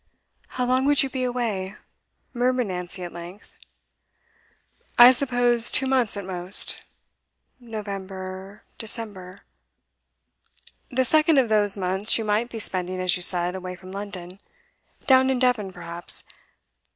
'How long would you be away?' murmured Nancy, at length. 'I suppose two months at most.' 'November December.' 'The second of those months you might be spending, as you said, away from London. Down in Devon, perhaps.